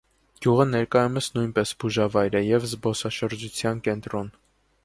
Գյուղը ներկայումս նույնպես բուժավայր է և զբոսաշրջության կենտրոն։